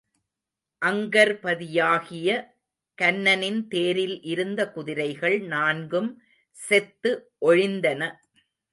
அங்கர்பதியாகிய கன்னனின் தேரில் இருந்த குதிரைகள் நான்கும் செத்து ஒழிந்தன.